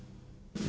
dia udah berangkat